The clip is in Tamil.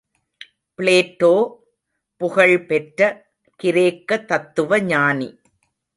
பிளேட்டோ புகழ் பெற்ற கிரேக்க தத்துவ ஞானி.